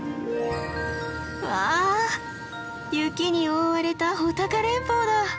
わあ雪に覆われた穂高連峰だ。